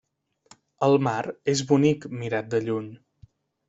El mar és bonic mirat de lluny.